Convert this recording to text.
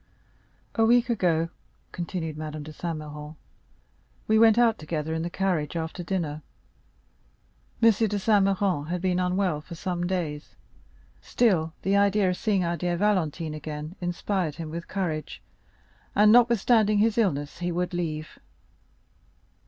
"A week ago," continued Madame de Saint Méran, "we went out together in the carriage after dinner. M. de Saint Méran had been unwell for some days; still, the idea of seeing our dear Valentine again inspired him with courage, and notwithstanding his illness he would leave.